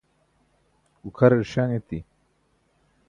gukʰarar śaṅ eti